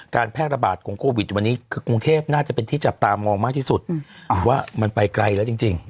แพร่ระบาดของโควิดวันนี้คือกรุงเทพน่าจะเป็นที่จับตามองมากที่สุดว่ามันไปไกลแล้วจริง